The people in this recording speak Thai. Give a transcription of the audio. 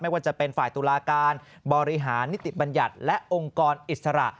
ว่าจะเป็นฝ่ายตุลาการบริหารนิติบัญญัติและองค์กรอิสระ